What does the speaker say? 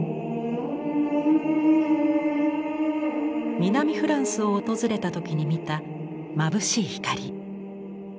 南フランスを訪れた時に見たまぶしい光。